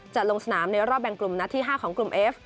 จะลงสนามในรอบแบ่งกลุ่มนัดที่๕ของกลุ่มเอฟ